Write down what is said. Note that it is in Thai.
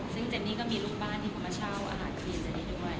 ซึ่งเจนนี่ก็มีลูกบ้านที่เขามาเช่าอาหารกินเจนี่ด้วย